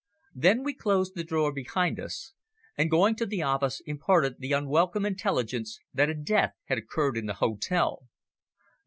Then we closed the door behind us, and going to the office imparted the unwelcome intelligence that a death had occurred in the hotel.